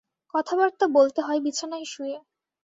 কথাবার্তা বলতে হয় বিছানায় শুয়ে।